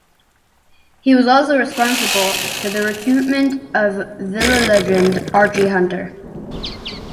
He was also responsible for the recruitment of Villa legend Archie Hunter.